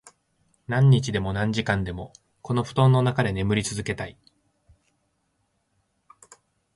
何日でも、何時間でも、この布団の中で眠り続けたい。